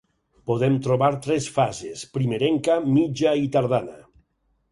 Podem trobar tres fases: primerenca, mitja i tardana.